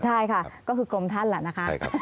ใช่ค่ะก็คือกรมท่านแหละนะคะ